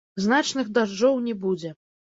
Значных дажджоў не будзе.